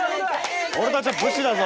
俺たちは武士だぞ。